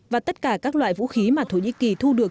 và tất cả các loại vũ khí mà thổ nhĩ kỳ thu được